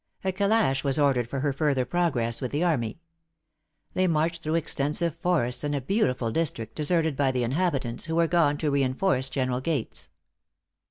A calash was ordered for her further progress with the army. They marched through extensive forests, and a beautiful district, deserted by the inhabitants, who were gone to re inforce General Gates.